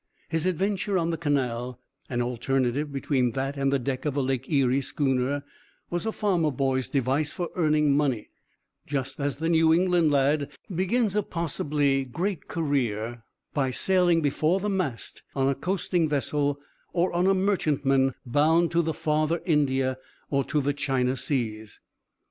His adventure on the canal an alternative between that and the deck of a Lake Erie schooner was a farmer boy's device for earning money, just as the New England lad begins a possibly great career by sailing before the mast on a coasting vessel, or on a merchantman bound to the farther India or to the China seas.